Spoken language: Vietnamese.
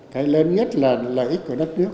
cái lớn nhất là lợi ích của đất nước